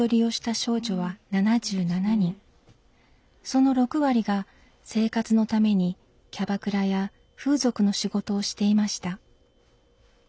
その６割が生活のためにキャバクラや風俗の仕事をしていました。